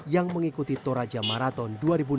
yang mengikuti toraja marathon dua ribu enam belas